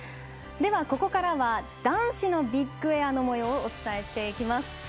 ここからは、男子のビッグエアのもようをお伝えしていきます。